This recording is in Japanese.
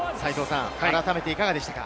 改めていかがでしたか？